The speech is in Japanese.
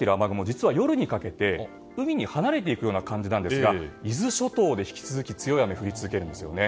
実は夜にかけて海に離れていく感じなんですが伊豆諸島で引き続き強い雨が降り続くんですね。